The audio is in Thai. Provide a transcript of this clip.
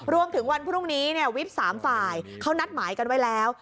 วันพรุ่งนี้วิบ๓ฝ่ายเขานัดหมายกันไว้แล้ว